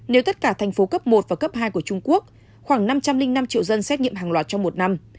nếu tất cả thành phố cấp một và cấp hai của trung quốc khoảng năm trăm linh năm triệu dân xét nghiệm hàng loạt trong một năm